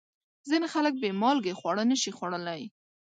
ځینې خلک بې مالګې خواړه نشي خوړلی.